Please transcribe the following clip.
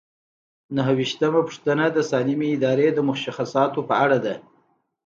نهه ویشتمه پوښتنه د سالمې ادارې د مشخصاتو په اړه ده.